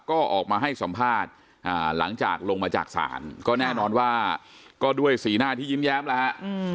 ก็ออกมาให้สัมภาษณ์หลังจากลงมาจากศาลก็แน่นอนว่าก็ด้วยสีหน้าที่ยิ้มแย้มแล้วฮะ